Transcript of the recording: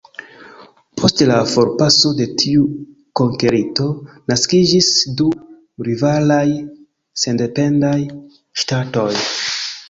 Post la forpaso de tiu konkerinto, naskiĝis du rivalaj sendependaj ŝtatoj.